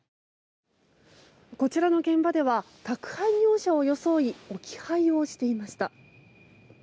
こちらの現場では宅配業者を装い置き配をしていました。